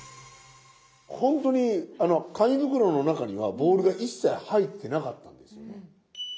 本当に紙袋の中にはボールが一切入ってなかったんですよ。